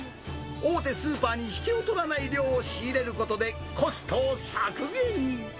大手スーパーに引けを取らない量を仕入れることでコストを削減。